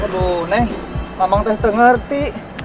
aduh neng emang teh denger ti